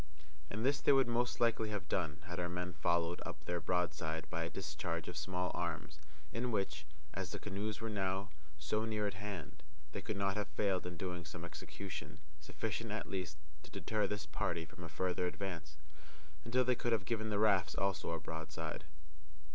And this they would most likely have done had our men followed up their broadside by a discharge of small arms, in which, as the canoes were now so near at hand, they could not have failed in doing some execution, sufficient, at least, to deter this party from a farther advance, until they could have given the rafts also a broadside.